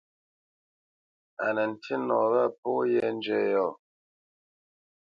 Á nə ntî nɔ wâ pó yē njə́ yɔ̂.